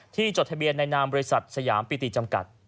จดทะเบียนในนามบริษัทสยามปิติจำกัด